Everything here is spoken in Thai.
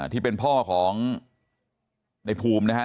ที่เป็นพ่อของในภูมินะฮะ